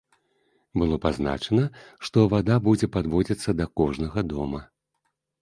Было пазначана, што вада будзе падводзіцца да кожнага дома.